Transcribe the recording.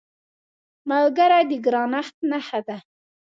ملګری د ګرانښت نښه ده